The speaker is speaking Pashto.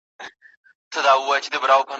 ناوې ناسته پر پاتا وي بوډۍ سر پر زنګانه وي